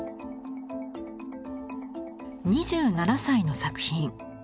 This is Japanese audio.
２７歳の作品。